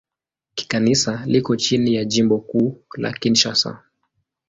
Kikanisa liko chini ya Jimbo Kuu la Kinshasa.